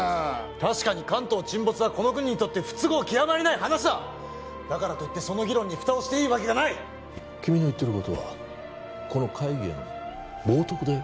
確かに関東沈没はこの国にとって不都合極まりない話だだからといってその議論に蓋をしていいわけがない君の言ってることはこの会議への冒とくだよ